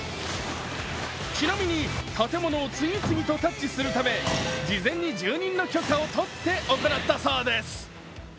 ちなみに、建物を次々とタッチするため、事前に住人の許可を取って行ったそうです。